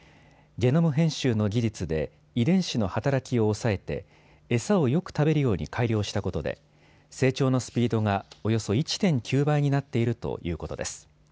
ゲノム編集の技術で遺伝子の働きを抑えて餌をよく食べるように改良したことで成長のスピードがおよそ１．９倍になっているということです。